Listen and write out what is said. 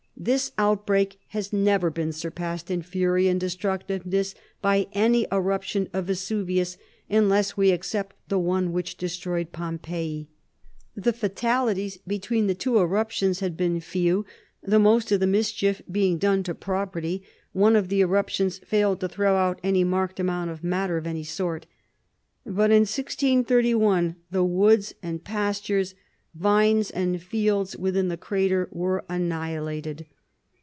This outbreak has never been surpassed in fury and destructiveness by any eruption of Vesuvius, unless we except the one which destroyed Pompeii. The fatalities between the two eruptions had been few, the most of the mischief being damage to property. One of the eruptions failed to throw out any marked amount of matter of any sort. But in 1631 the woods and pastures, vines, and fields within the crater, were annihilated.